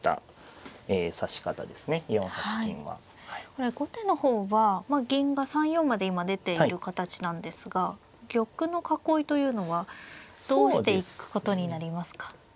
これ後手の方は銀が３四まで今出ている形なんですが玉の囲いというのはどうしていくことになりますか。